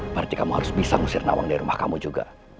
berarti kamu harus bisa ngusir nawang dari rumah kamu juga